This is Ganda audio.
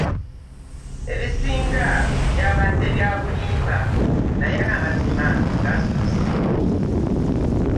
Ebisinga byabadde bya bulimba naye amazima gazuuse.